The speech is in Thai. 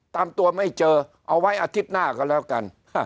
ตามตัวไม่เจอเอาไว้อาทิตย์หน้าก็แล้วกัน